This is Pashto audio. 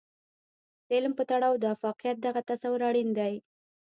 د علم په تړاو د افاقيت دغه تصور اړين دی.